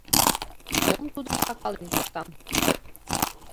— Мом тудым сакален коштам.